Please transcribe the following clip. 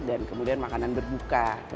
dan kemudian makanan berbuka